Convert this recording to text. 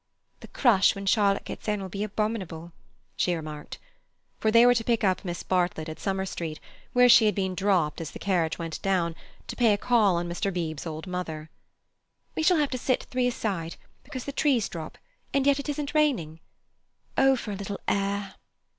"The crush when Charlotte gets in will be abominable," she remarked. For they were to pick up Miss Bartlett at Summer Street, where she had been dropped as the carriage went down, to pay a call on Mr. Beebe's old mother. "We shall have to sit three a side, because the trees drop, and yet it isn't raining. Oh, for a little air!"